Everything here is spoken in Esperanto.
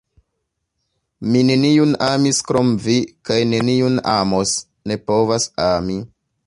Mi neniun amis krom vi kaj neniun amos, ne povas ami!